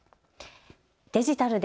デジタルで！